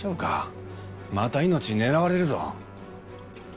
また命狙われるぞ。